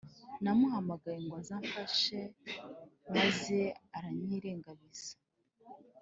namuhamagaye ngo aze amafashe maze aranyirengabiza